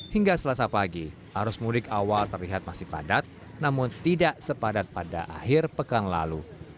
hingga selasa pagi arus mudik awal terlihat masih padat namun tidak sepadat pada akhir pekan lalu